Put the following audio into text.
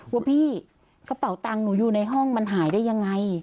ว่าพี่กระเป๋าตังค์หนูอยู่ในห้องมันหายได้ยังไง